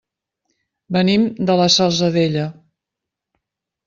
Venim de la Salzadella.